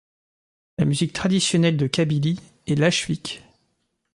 La musique traditionnelle de Kabylie est l'achewiq.